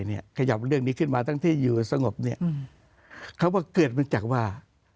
ขยับเรื่องนี้ขึ้นมาทั้งที่อยู่สงบเนี่ยคำว่าเกิดมาจากว่า